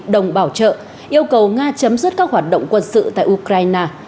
đồng bảo trợ yêu cầu nga chấm dứt các hoạt động quân sự tại ukraine